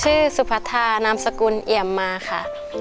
สุพัทธานามสกุลเอี่ยมมาค่ะ